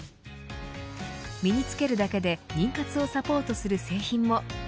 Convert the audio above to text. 身に着けるだけで妊活をサポートする製品も。